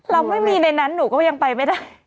เราไม่มีในนั้นหนูก็ยังไปไม่ได้